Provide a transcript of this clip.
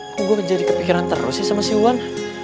kok gue menjadi kepikiran teros sih sama si wan